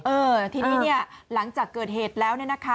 เออทีนี้เนี่ยหลังจากเกิดเหตุแล้วเนี่ยนะคะ